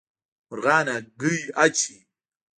مرغان هګۍ اچوي